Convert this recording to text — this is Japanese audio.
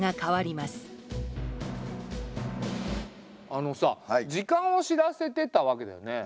あのさ時間を知らせてたわけだよね。